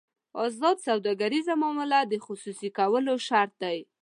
ازاده سوداګریزه معامله د خصوصي کولو شرط ده.